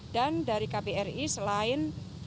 dan dari kbri selain